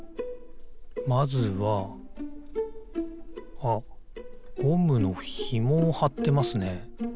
あっゴムのひもをはってますね。